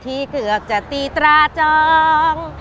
ที่เกือบจะตีตราจอง